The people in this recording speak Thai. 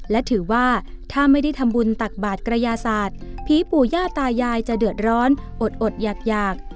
และถือว่าถ้าไม่ได้ทำบุญตักบาทกระยาศาสตร์ผีปู่ย่าตายายจะเดือดร้อนอดอยาก